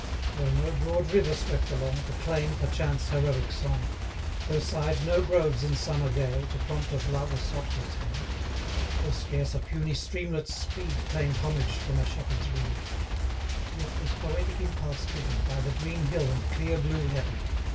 Though no broad river swept along, 160 To claim, perchance, heroic song; Though sigh'd no groves in summer gale, To prompt of love a softer tale; Though scarce a puny streamlet's speed Claim'd homage from a shepherd's reed; 165 Yet was poetic impulse given, By the green hill and clear blue heaven.